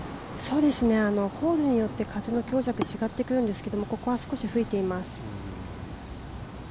ホールによって風の強弱、違ってくるんですけどここは少し吹いています。